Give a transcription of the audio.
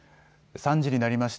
３時になりました。